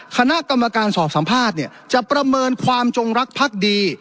คณะกรรมการสอบสัมภาษณ์เนี่ยจะประเมินความจงรักพักดี